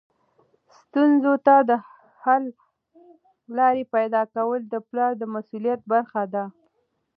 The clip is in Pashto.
ستونزو ته حل لارې پیدا کول د پلار د مسؤلیت برخه ده.